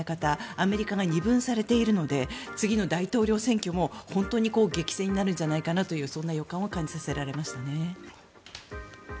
アメリカが二分されているので次の大統領選挙も本当に激戦になるんじゃないかなという予感を感じさせられましたね。